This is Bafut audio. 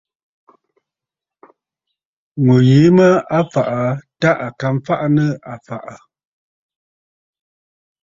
Ŋù yìi mə a fàꞌà aa tâ à ka mfaꞌa nɨ a fa aà.